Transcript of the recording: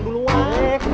tadi kamu datang belakangan